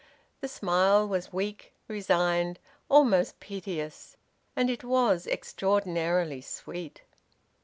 The smile was weak, resigned, almost piteous; and it was extraordinarily sweet.